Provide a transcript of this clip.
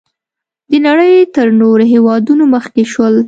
د نړۍ تر نورو هېوادونو مخکې شول.